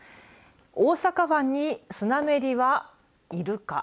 大阪湾にスナメリはいるか？